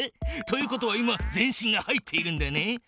ということは今全身が入っているんだな。